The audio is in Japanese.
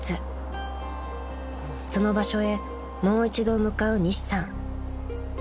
［その場所へもう一度向かう西さん］